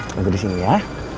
tunggu disini ya